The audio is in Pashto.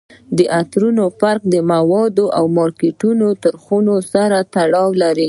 د عطرونو فرق د موادو او مارکیټ له نرخونو سره تړلی وي